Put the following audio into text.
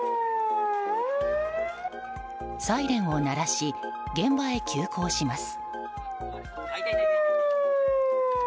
サイレンを鳴らし現場へ急行します。